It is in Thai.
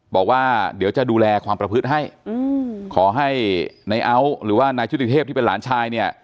บอกว่าเดี๋ยวจะดูแลความประพฤติให้ขอให้นายเอาท์หรือว่านายชุติเทพที่เป็นหลานชายเนี่ย